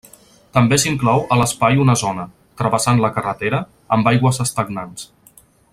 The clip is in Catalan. També s'inclou a l'espai una zona, travessant la carretera, amb aigües estagnants.